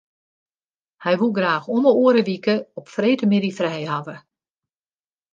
Hy woe graach om 'e oare wike op freedtemiddei frij hawwe.